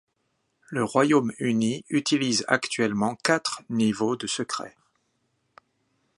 Le Royaume-Uni utilise actuellement quatre niveaux de secret.